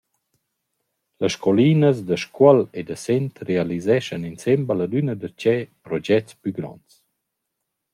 Las scoulinas da Scuol e da Sent realiseschan insembel adüna darcheu progets plü gronds.